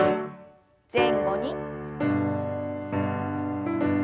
前後に。